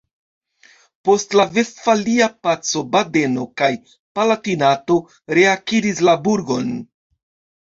Post la Vestfalia Paco Badeno kaj Palatinato reakiris la burgon.